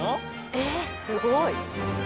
えっすごい。